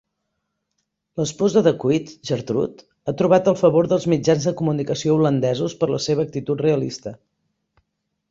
L'esposa de Kuyt, Gertrude, ha trobat el favor dels mitjans de comunicació holandesos per la seva actitud realista.